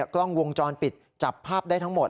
กล้องวงจรปิดจับภาพได้ทั้งหมด